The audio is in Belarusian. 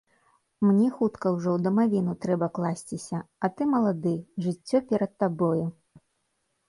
Мне хутка ўжо ў дамавіну трэба класціся, а ты малады, жыццё перад табою.